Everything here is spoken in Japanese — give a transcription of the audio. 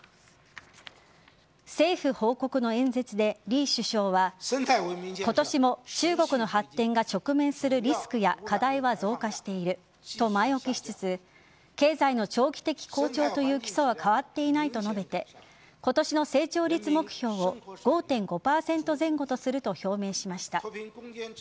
政府報告の演説で李首相は今年も中国の発展が直面するリスクや課題は増加していると前置きしつつ経済の長期的好調という基礎は変わっていないと述べて今年の成長率目標を５．５％前後とすると表明しました。